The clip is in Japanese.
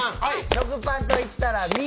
食パンといったら耳。